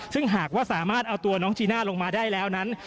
ซึ่งหากว่าสามารถเอาตัวน้องจีน่าลงมาได้แล้วนั้น